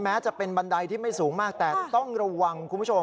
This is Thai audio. แม้จะเป็นบันไดที่ไม่สูงมากแต่ต้องระวังคุณผู้ชม